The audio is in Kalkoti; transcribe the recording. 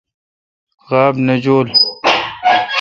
غاب نہ جولوں۔